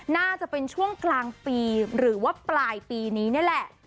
น่าจะเป็นช่วงกลางปีหรือว่าปลายปีนี้นี่แหละ